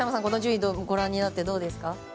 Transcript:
この順位ご覧になってどうですか。